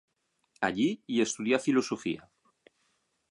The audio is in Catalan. Allí hi estudià filosofia.